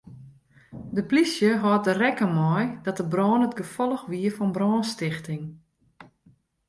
De plysje hâldt der rekken mei dat de brân it gefolch wie fan brânstichting.